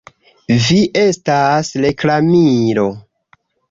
Vi estas reklamilo!?